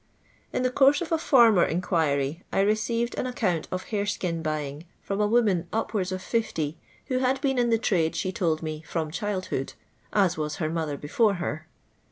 In the course of a former inquiry I received an account of hareskin buying from a woman, upwards of fifty, who had been in the trade, she told me, from childhood, " as was her mother before her."